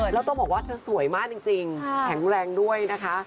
แล้วต้องบอกว่าเธอสวยมากจริงแข็งแรงด้วยนะคะ